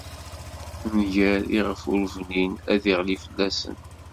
Nnger iɣef ur bnin ad d-iɣli fell-asen.